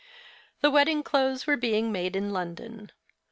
The wedding clothes were being made in London.